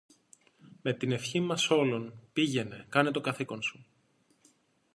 Με την ευχή μας όλων, πήγαινε, κάνε το καθήκον σου.